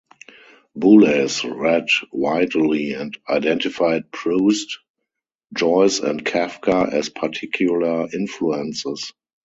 Boulez read widely and identified Proust, Joyce and Kafka as particular influences.